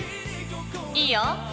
いいよ。